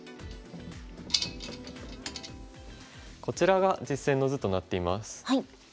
こちらが実戦の図となっています。